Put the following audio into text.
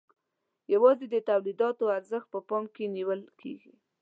یوازې د تولیداتو ارزښت په پام کې نیول کیږي.